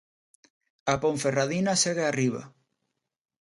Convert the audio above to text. A Ponferradina segue arriba.